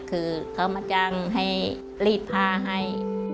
คือเขามาจ้างให้รีดผ้าให้